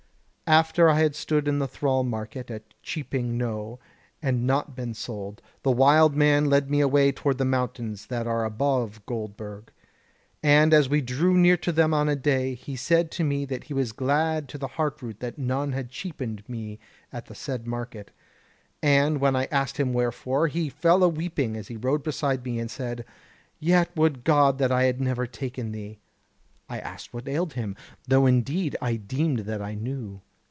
"After I had stood in the thrall market at Cheaping Knowe, and not been sold, the wild man led me away toward the mountains that are above Goldburg; and as we drew near to them on a day, he said to me that he was glad to the heart root that none had cheapened me at the said market; and when I asked him wherefore, he fell a weeping as he rode beside me, and said: 'Yet would God that I had never taken thee.' I asked what ailed him, though indeed I deemed that I knew.